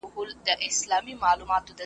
ګوندي دی مي برابر د کور پر خوا کړي .